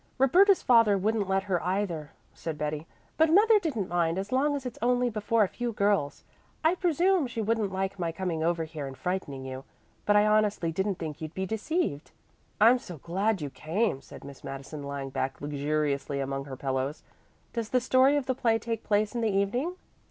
"Roberta's father wouldn't let her either," said Betty, "but mother didn't mind, as long as it's only before a few girls. I presume she wouldn't like my coming over here and frightening you. But I honestly didn't think you'd be deceived." "I'm so glad you came," said Miss Madison lying back luxuriously among her pillows. "Does the story of the play take place in the evening?"